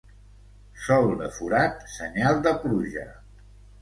Sol de forat, senyal de pluja.